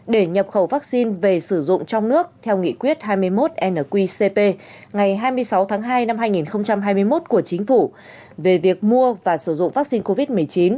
để nhập khẩu vaccine về sử dụng trong nước theo nghị quyết hai mươi một nqcp ngày hai mươi sáu tháng hai năm hai nghìn hai mươi một của chính phủ về việc mua và sử dụng vaccine covid một mươi chín